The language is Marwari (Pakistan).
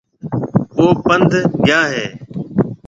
او پنڌ گيا هيَ۔